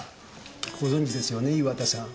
ご存じですよね岩田さん？